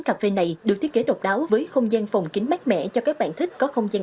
cà phê này được thiết kế độc đáo với không gian phòng kính mát mẻ cho các bạn thích có không gian